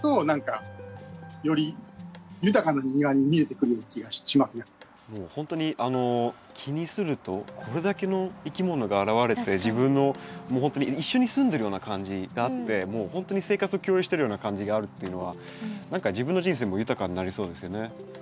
でそこで生きて生活してるほんとに気にするとこれだけのいきものが現れて自分のもうほんとに一緒に住んでるような感じがあってもうほんとに生活を共有してるような感じがあるっていうのは何か自分の人生も豊かになりそうですよね。